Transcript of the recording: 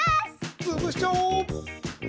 つぶしちゃおう！